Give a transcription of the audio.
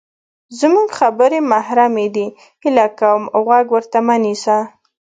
زمونږ خبرې محرمې دي، هیله کوم غوږ ورته مه نیسه!